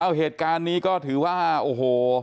เอาเหตุการณ์นี้ก็ถือว่าโอ้โห